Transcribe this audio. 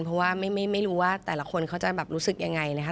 เพราะว่าไม่รู้ว่าแต่ละคนเขาจะแบบรู้สึกยังไงนะคะ